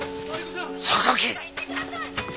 榊！